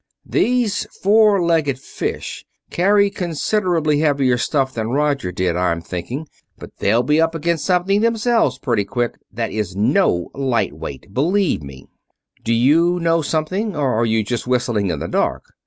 These four legged fish carry considerably heavier stuff than Roger did, I'm thinking; but they'll be up against something themselves pretty quick that is no light weight, believe me!" "Do you know something, or are you just whistling in the dark?"